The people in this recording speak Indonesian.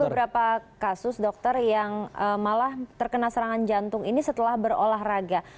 ada beberapa kasus dokter yang malah terkena serangan jantung ini setelah berolahraga